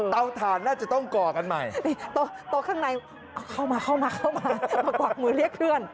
ถ่านน่าจะต้องก่อกันใหม่โต๊ะข้างในเข้ามาเข้ามากวักมือเรียกเพื่อน